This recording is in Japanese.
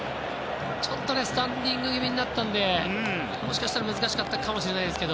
ちょっとスタンディング気味になったのでもしかしたら難しかったかもしれないですね。